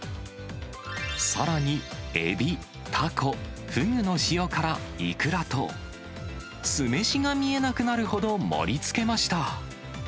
さらに、エビ、タコ、フグの塩辛、イクラと、酢飯が見えなくなるほど盛りつけました。